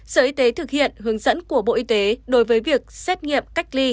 sở y tế thực hiện hướng dẫn của bộ y tế đối với việc xét nghiệm cách ly